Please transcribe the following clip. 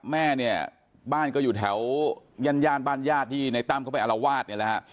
แม่เนี่ยบ้านก็อยู่แถวย่านบ้านญาติที่ในตั้มเข้าไปอารวาสเนี่ยแหละฮะ